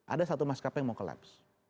ada satu maskapai yang mau collapse